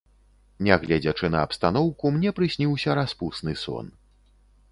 Нягледзячы на абстаноўку, мне прысніўся распусны сон.